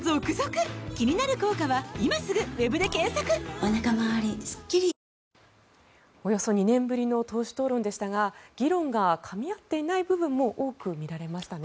およそ２年ぶりの党首討論でしたが議論がかみ合っていない部分も多く見られましたね。